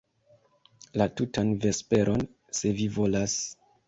La tutan vesperon, se vi volas.